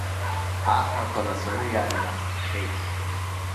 Аҳрақәа рацәаны иаҩнаххьеит.